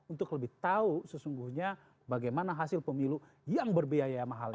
untuk lebih tahu sesungguhnya bagaimana hasil pemilu yang berbiaya mahal